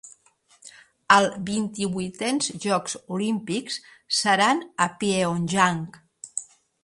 El vint-i-vuitens Jocs Olímpics seran a Pyeongchang.